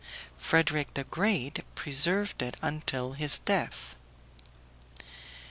Frederick the Great preserved it until his death.